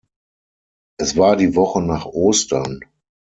Es war die Woche nach Ostern.